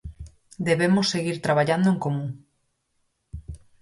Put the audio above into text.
Debemos seguir traballando en común.